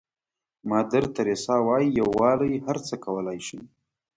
مادر تریسا وایي یووالی هر څه کولای شي.